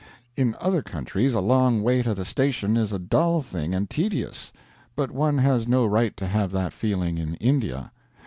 In other countries a long wait at a station is a dull thing and tedious, but one has no right to have that feeling in India.